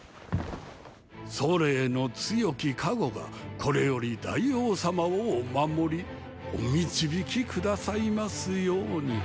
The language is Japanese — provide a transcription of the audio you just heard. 祖霊の強き加護がこれより大王様をお守りお導き下さいますように。